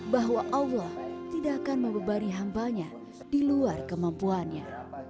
bahwa allah tidak akan membebani hambanya di luar kemampuannya